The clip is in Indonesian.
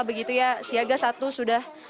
begitu ya siaga satu sudah